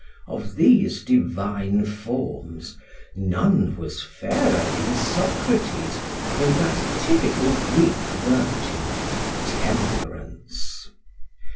Of these divine forms none was fairer in Socrates than that typical Greek virtue, temperance.